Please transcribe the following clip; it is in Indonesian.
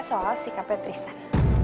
soal sikapnya tristan